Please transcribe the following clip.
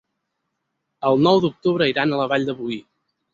El nou d'octubre iran a la Vall de Boí.